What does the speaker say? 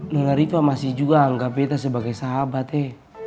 nona rifai masih juga anggap beta sebagai sahabat ya